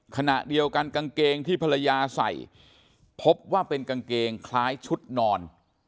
ขณะเดียวกันกางเกงที่ภรรยาใส่พบว่าเป็นกางเกงคล้ายชุดนอน